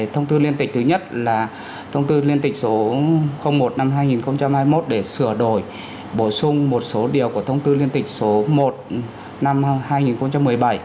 thông tư liên tịch thứ nhất là thông tư liên tịch số một năm hai nghìn hai mươi một để sửa đổi bổ sung một số điều của thông tư liên tịch số một năm hai nghìn một mươi bảy